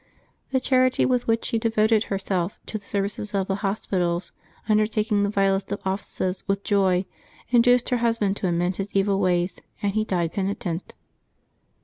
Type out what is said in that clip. The charity with which she devoted herself to the service of the hospitals, undertaking the vilest of offices with joy, induced her husband to amend his evil ways and he died penitent.